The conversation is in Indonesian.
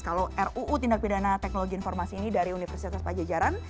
kalau ruu tindak pidana teknologi informasi ini dari universitas pajajaran